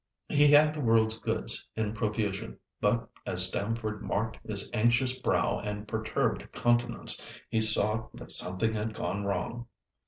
He had the world's goods in profusion, but as Stamford marked his anxious brow and perturbed countenance, he saw that something had gone wrong.